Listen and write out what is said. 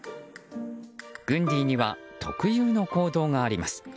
グンディには特有の行動があります。